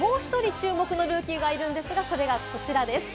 注目のルーキーがいるんですが、それがこちらです。